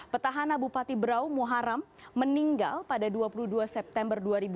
petahana bupati brau muharam meninggal pada dua puluh dua september dua ribu sembilan belas